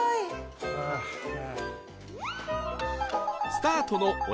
スタートの鬼